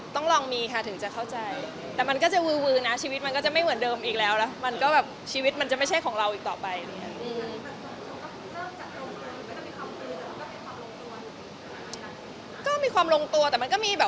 ต้องลองมีค่ะถึงจะเข้าใจแต่มันก็จะเวอร์นะชีวิตมันก็จะไม่เหมือนเดิมอีกแล้วละชีวิตมันก็จะไม่ใช่ของเราอีกต่อไป